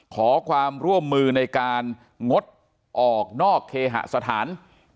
ขอความร่วมมือในการงดออกนอกเคหสถาน